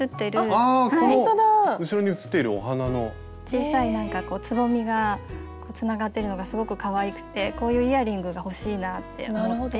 小さいつぼみがつながってるのがすごくかわいくてこういうイヤリングが欲しいなって思って。